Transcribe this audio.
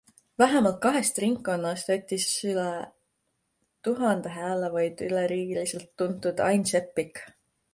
Vähemalt kahest ringkonnast võttis üle tuhande hääle vaid üleriigiliselt tuntud Ain Seppik.